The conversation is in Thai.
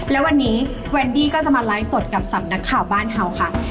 และวันนี้แวนดี้ก็จะมาไลฟ์สดกับสำนักข่าวบ้านเขาค่ะ